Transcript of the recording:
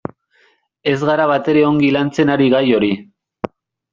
Ez gara batere ongi lantzen ari gai hori.